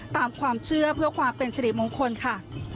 ตามความเชื่อเพื่อความเป็นสิริมงคลค่ะ